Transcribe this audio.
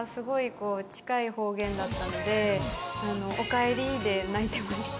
こう近い方言だったので「おかえり」で泣いてました。